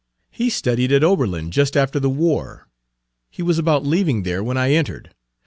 He studied at Oberlin just after the war. He was about leaving there when I entered.